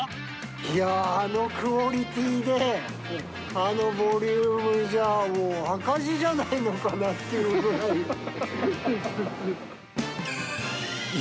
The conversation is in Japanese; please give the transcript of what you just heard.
いやー、あのクオリティーで、あのボリュームじゃ、もう赤字じゃないのかなっていうぐらい。